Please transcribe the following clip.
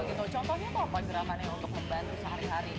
oh gitu contohnya apa pergerakannya untuk membantu sehari hari